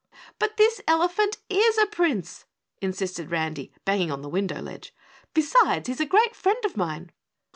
"But this elephant IS a Prince," insisted Randy, banging on the window ledge. "Besides, he's a great friend of mine."